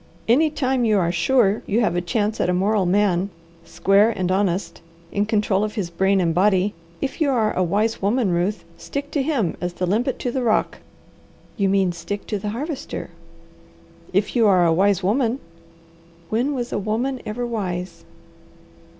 Any time you are sure you have a chance at a moral man, square and honest, in control of his brain and body, if you are a wise woman, Ruth, stick to him as the limpet to the rock." "You mean stick to the Harvester?" "If you are a wise woman!" "When was a woman ever wise?"